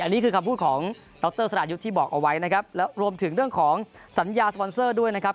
อันนี้คือคำพูดของดรสรายุทธ์ที่บอกเอาไว้นะครับแล้วรวมถึงเรื่องของสัญญาสปอนเซอร์ด้วยนะครับ